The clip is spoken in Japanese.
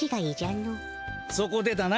そこでだな